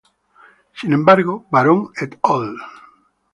Sin embargo, Baron "et al".